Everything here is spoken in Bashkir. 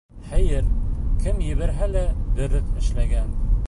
Хәйер, кем ебәрһә лә дөрөҫ эшләгән!